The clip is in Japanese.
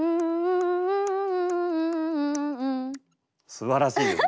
すばらしいですね。